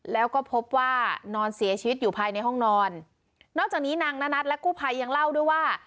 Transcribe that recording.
แล้วก็พบว่านอนเสียชีวิตอยู่ภายในห้องนอนนอกจากนี้นางนัทและกู้ภัยยังเล่าด้วยว่า